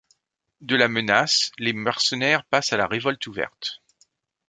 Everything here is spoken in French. De la menace, les mercenaires passent à la révolte ouverte.